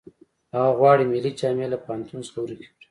هغه غواړي ملي جامې له پوهنتون څخه ورکې کړي